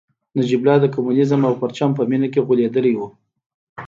نجیب الله د کمونیزم او پرچم په مینه کې غولېدلی و